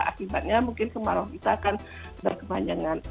akibatnya mungkin kemarau kita akan berkepanjangan